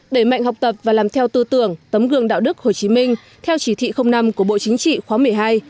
đẩy mạnh học tập và làm theo tư tưởng tấm gương đạo đức hồ chí minh theo chỉ thị năm của bộ chính trị khóa một mươi hai